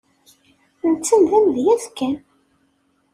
Netta d amedyaz kan.